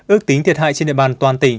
ước tính thiệt hại trên địa bàn toàn tỉnh